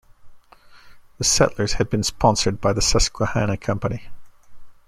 The settlers had been sponsored by the Susquehanna Company.